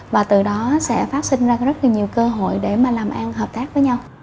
và từ đó sẽ phát sinh ra rất nhiều cơ hội để làm ăn hợp tác với nhau